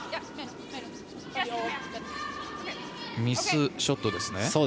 ミスショットですね。